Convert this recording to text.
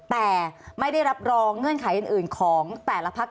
แต่ไม่ได้รับรองเงื่อนไขอื่นของแต่ละพัก